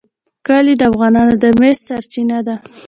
کلي د افغانانو د معیشت سرچینه ده.